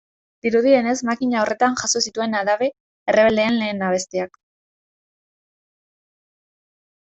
Dirudienez, makina horretan jaso zituen abade errebeldeen lehen abestiak.